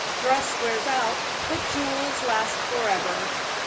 "Dress wears out, but jewels last forever."